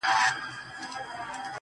لکه څومرهوالی په هندسه کې